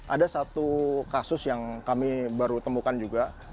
ada satu kasus yang kami baru temukan juga